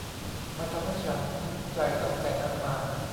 มันทำให้ฉันทุกข์ใจตั้งแต่นั้นมา